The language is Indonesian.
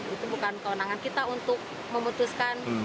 itu bukan kewenangan kita untuk memutuskan